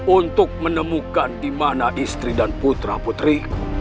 untuk menemukan di mana istri dan putra putri